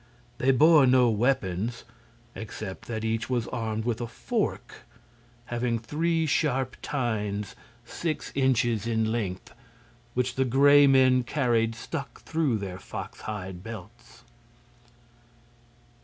They bore no weapons except that each was armed with a fork, having three sharp tines six inches in length, which the Gray Men carried stuck through their fox hide belts.